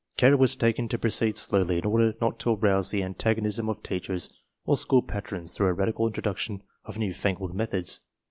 Care was taken to proceed slowly in order not to arouse the antagonism of teachers or school patrons through a radical introduction of new fangled methods.